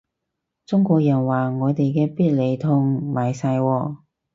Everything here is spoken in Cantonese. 中國人話我哋啲必理痛賣晒喎